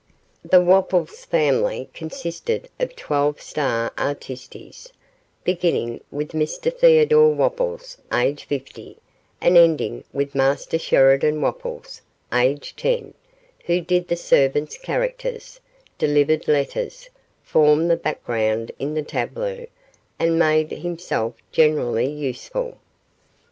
The Wopples family consisted of twelve star artistes, beginning with Mr Theodore Wopples, aged fifty, and ending with Master Sheridan Wopples, aged ten, who did the servants' characters, delivered letters, formed the background in tableaux, and made himself generally useful.